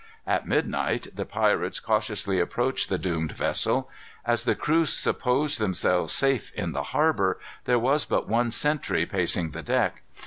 At midnight the pirates cautiously approached the doomed vessel. As the crew supposed themselves safe in the harbor, there was but one sentry pacing the deck.